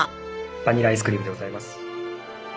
バニラアイスクリームでございます。